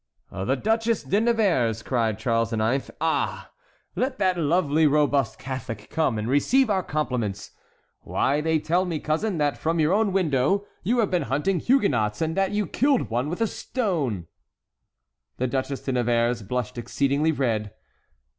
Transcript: "The Duchesse de Nevers!" cried Charles IX., "Ah! let that lovely robust Catholic come and receive our compliments. Why, they tell me, cousin, that from your own window you have been hunting Huguenots, and that you killed one with a stone." The Duchesse de Nevers blushed exceedingly red.